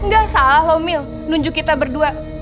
ga salah lo mil nunjuk kita berdua